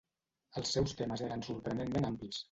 Els seus temes eren sorprenentment amplis.